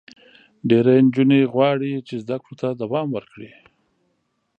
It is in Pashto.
ډېری نجونې غواړي چې زده کړو ته دوام ورکړي.